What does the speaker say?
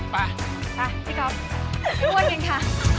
พี่อ้วนกันค่ะ